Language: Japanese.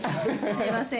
すいません。